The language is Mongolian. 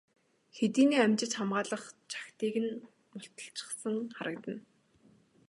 Хэдийнээ амжиж хамгаалах чагтыг нь мулталчихсан харагдана.